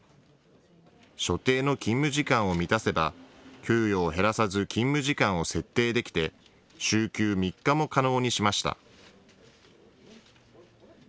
所定の勤務時間を満たせば給与を減らさず勤務時間を設定できて週休３日も可能にしました。